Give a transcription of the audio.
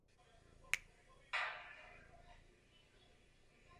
Tvořilo ji patnáct kamenných pomníků podél cesty od Zámeckého rybníka.